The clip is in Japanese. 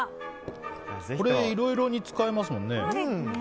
これいろいろ、使えますもんね。